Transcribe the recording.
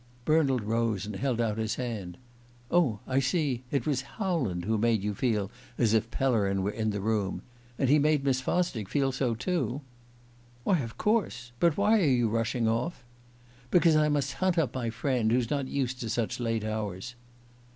Bernald rose and held out his hand. "Oh, I see it was Howland who made you feel as if Pellerin were in the room? And he made Miss Fosdick feel so too?" "Why, of course. But why are you rushing off?" "Because I must hunt up my friend, who's not used to such late hours."